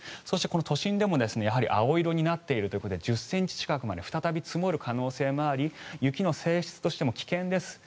そして、都心でも青色になっているということで１０ｃｍ近くまで積もる可能性もあり雪の性質としても危険です。